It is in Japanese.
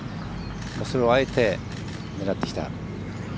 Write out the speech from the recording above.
それをあえて狙ってきた。